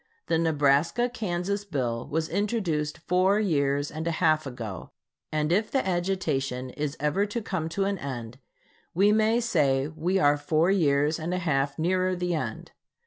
The Nebraska Kansas bill was introduced four years and a half ago, and if the agitation is ever to come to an end, we may say we are four years and a half nearer the end.